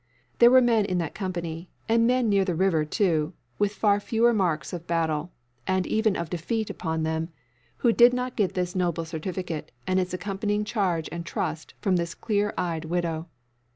There were men in that company, and men near the river too, with far fewer marks of battle, and even of defeat, upon them, who did not get this noble certificate and its accompanying charge and trust from this clear eyed widow.